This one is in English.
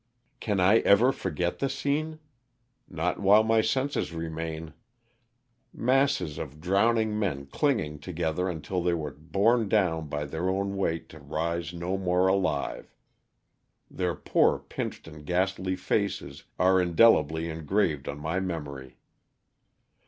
Can I ever forget the scene? Not while my senses remain. Masses of drowning LOSS OF THE SULTA]S"A. 193 mea clinging together until they were borne down by their own weight to rise no more alive. Their poor, pinched, and ghastly faces are indelibly engraved on my memory.